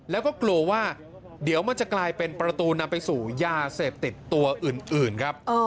แล้วก็กลัวว่าเดี๋ยวมันจะกลายเป็นประตูนำไปสู่ยาเสพติดตัวอื่นครับ